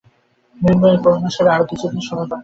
মৃন্ময়ী করুণস্বরে আরও কিছু দিন সময় প্রার্থনা করিল।